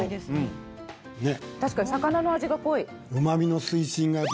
確かに魚の味が濃い。